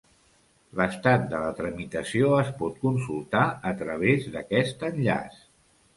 L'estat de la tramitació es pot consultar a través d'aquest enllaç.